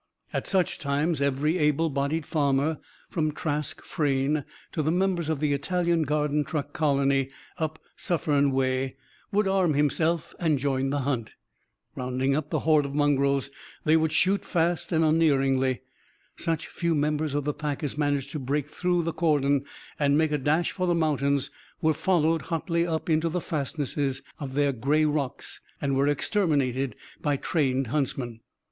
At such times, every able bodied farmer, from Trask Frayne to the members of the Italian garden truck colony, up Suffern way, would arm himself and join the hunt. Rounding up the horde of mongrels, they would shoot fast and unerringly. Such few members of the pack as managed to break through the cordon and make a dash for the mountains were followed hotly up into the fastnesses of the grey rocks and were exterminated by trained huntsmen.